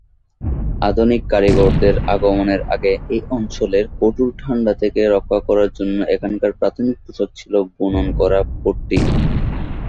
আধুনিক কারিগরদের আগমনের আগে, এই অঞ্চলের কঠোর ঠান্ডা থেকে রক্ষা করার জন্য এখানকার প্রাথমিক পোশাক ছিল বুনন করা পট্টি।